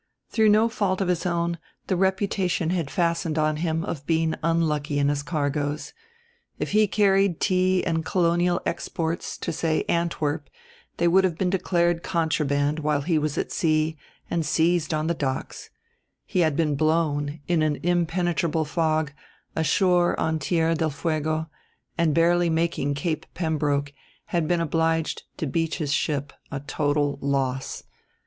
Through no fault of his own the reputation had fastened on him of being unlucky in his cargoes: if he carried tea and colonial exports to, say, Antwerp, they would have been declared contraband while he was at sea, and seized on the docks; he had been blown, in an impenetrable fog, ashore on Tierra del Fuego, and, barely making Cape Pembroke, had been obliged to beach his ship, a total loss.